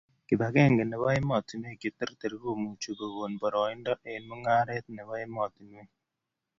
Kipakenge nebo emotunuek cheterter komuchu kokon boroindo eng' mung'aret nebo emotunuek